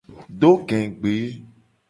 Do gegbe.